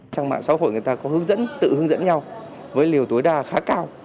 trang mạng xã hội người ta có hướng dẫn tự hướng dẫn nhau với liều tối đa khá cao